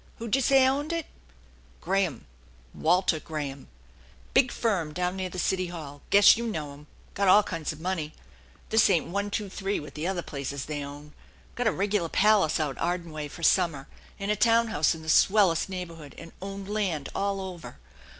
Who'd ya say owned it ?"" Graham, Walter Graham, big firm down near the city hall guess you know 'em. Got all kinds of money. This ain't one, two, three with the other places they own. Got a regular palace out Arden way fer summer and a town house in the swellest neighborhood, and own land all over.